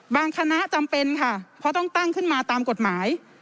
คณะจำเป็นค่ะเพราะต้องตั้งขึ้นมาตามกฎหมาย